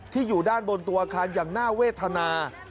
อยู่ด้านบนตัวอาคารอย่างน่าเวทนา